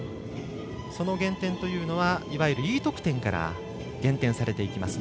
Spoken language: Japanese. その減点というのはいわゆるＥ得点から減点されていきます。